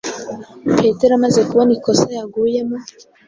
Petero amaze kubona ikosa yaguyemo,